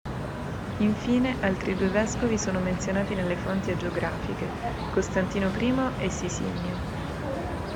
Infine altri due vescovi sono menzionati nelle fonti agiografiche, Costantino I e Sisinnio.